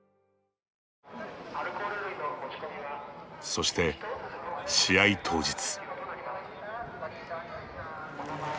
そして、試合当日。